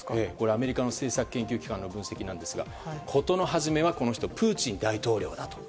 アメリカの政策研究機関の分析なんですが事の初めは、プーチン大統領だと。